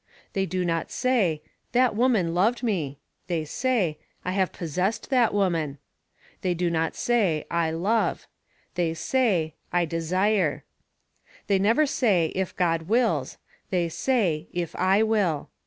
They do not say "That woman loved me;" they say: "I have possessed that woman;" they do not say: "I love;" they say: "I desire;" they never say: "If God wills;" they say: "If I will."